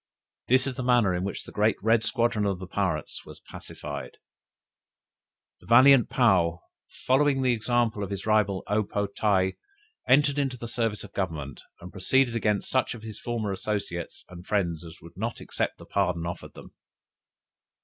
"This is the manner in which the great red squadron of the pirates was pacified." The valiant Paou, following the example of his rival O po tae, entered into the service of Government, and proceeded against such of his former associates and friends as would not accept the pardon offered them.